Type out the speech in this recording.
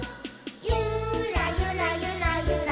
「ゆらゆらゆらゆらら！」